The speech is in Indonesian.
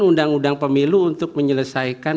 undang undang pemilu untuk menyelesaikan